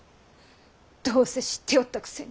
どうせ知っておったくせに。